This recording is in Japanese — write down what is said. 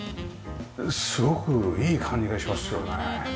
すごくいい感じがしますよね。